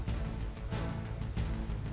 tanpa cintamu lagi